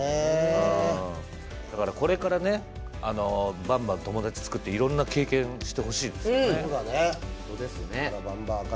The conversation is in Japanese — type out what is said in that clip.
だから、これからバンバン友達作っていろんな経験してほしいですよね。